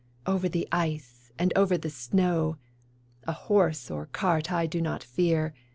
Over the ice, and over the snow; A horse or cart I do not fear.